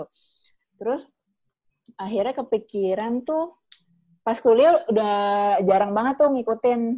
terus akhirnya kepikiran tuh pas kuliah udah jarang banget tuh ngikutin